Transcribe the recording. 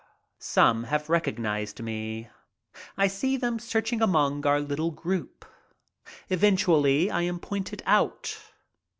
Some have recognized me. I see them searching among our little group. Eventually I am pointed out.